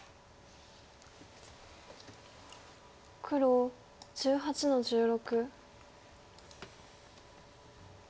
黒１８の十六。